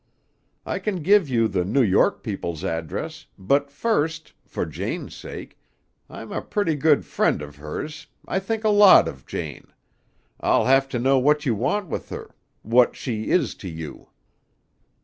I can give you the New York people's address, but first, for Jane's sake, I'm a pretty good friend of hers, I think a lot of Jane, I'll have to know what you want with her what she is to you."